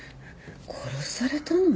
殺されたの？